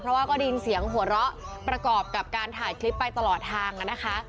เพราะว่าก็ได้ยินเสียงหัวเราะประกอบกับการถ่ายคลิปไปตลอดทางนะคะ